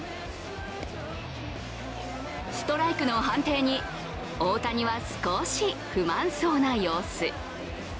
ストライクの判定に大谷は少し不満そうな様子。